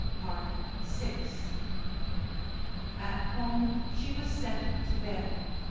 VI At home she was sent to bed.